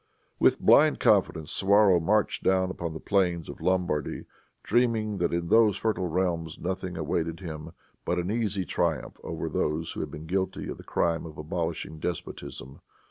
With blind confidence Suwarrow marched down upon the plains of Lombardy, dreaming that in those fertile realms nothing awaited him but an easy triumph over those who had been guilty of the crime of abolishing despotism.